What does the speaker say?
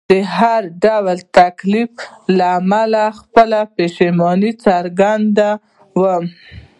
د هر ډول تکلیف له امله خپله پښیماني څرګندوم.